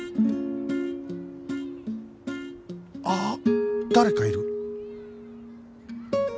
あっ誰かいる！